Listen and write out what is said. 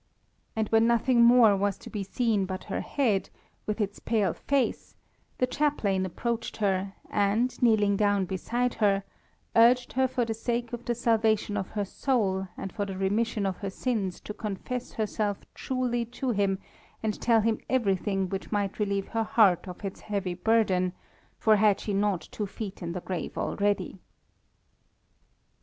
And when nothing more was to be seen but her head, with its pale face, the chaplain approached her, and, kneeling down beside her, urged her for the sake of the salvation of her soul and for the remission of her sins to confess herself truly to him and tell him everything which might relieve her heart of its heavy burden for had she not two feet in the grave already.